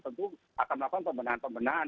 tentu akan melakukan pembenahan pembenahan